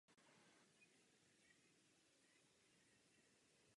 Pojetí Boha či bohů se liší v jednotlivých náboženstvích.